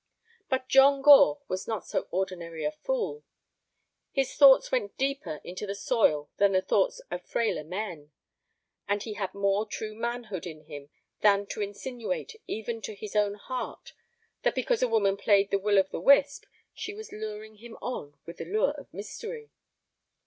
But John Gore was not so ordinary a fool. His thoughts went deeper into the soil than the thoughts of frailer men. And he had more true manhood in him than to insinuate even to his own heart that because a woman played the will o' the wisp, she was luring him on with the lure of mystery.